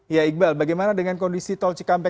ya iqbal bagaimana dengan kondisi tol cikampek